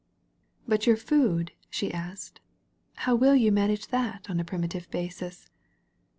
"But your food," she asked, "how will you manage that on a primitive basis?"